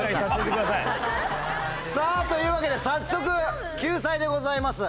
さぁというわけで早速救済でございます。